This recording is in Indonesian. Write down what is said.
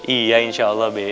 iya insya allah be